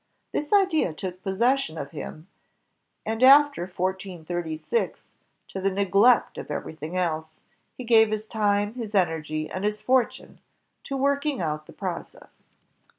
This idea took possession of him, and after 1436, to the neglect of everything else, he gave his time, his energy, and his fortune to working out the process.